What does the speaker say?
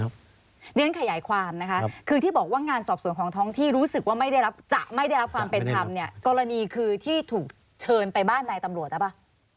ฉะนั้นขยายความคือที่บอกว่างานสอบสวนของท้องที่รู้สึกว่าไม่ได้รับความเป็นธรรมเนี่ยกรณีที่ถูกเชิญไปบ้านในตำรวจหรือเปล่า